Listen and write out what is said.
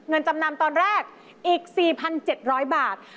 จำนำตอนแรกอีก๔๗๐๐บาท